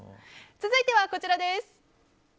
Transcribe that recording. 続いてはこちらです。